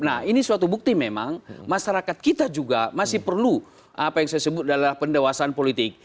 nah ini suatu bukti memang masyarakat kita juga masih perlu apa yang saya sebut adalah pendewasaan politik